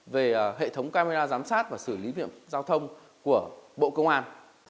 về hệ thống camera giám sát và xử lý việc giao thông của bộ công an